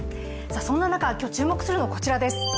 そんな中、今日注目するのはこちらです。